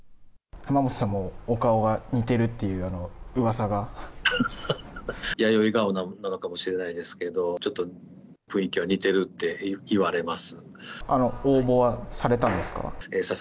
濱本さんもお顔が似てるって弥生顔なのかもしれないですけど、ちょっと雰囲気は似てるっていわれます。